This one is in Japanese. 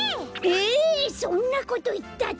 えそんなこといったって！